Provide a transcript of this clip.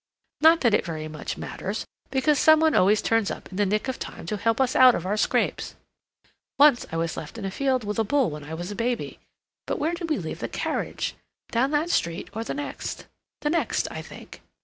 Not that it very much matters, because some one always turns up in the nick of time to help us out of our scrapes. Once I was left in a field with a bull when I was a baby—but where did we leave the carriage? Down that street or the next? The next, I think."